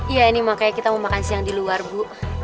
iya ini makanya kita mau makan siang di luar bu